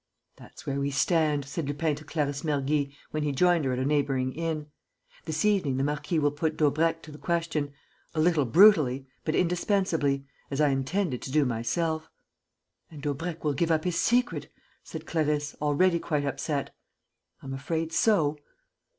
"That's where we stand," said Lupin to Clarisse Mergy, when he joined her at a neighbouring inn. "This evening the marquis will put Daubrecq to the question a little brutally, but indispensably as I intended to do myself." "And Daubrecq will give up his secret," said Clarisse, already quite upset. "I'm afraid so."